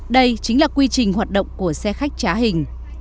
đây chính là quy trình hoạt động của xe khách trá hình